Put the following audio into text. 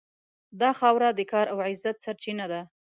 دا خاوره د کار او عزت سرچینه ده.